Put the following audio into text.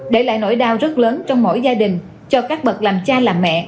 để lại nỗi đau rất lớn trong mỗi gia đình cho các bậc làm cha làm mẹ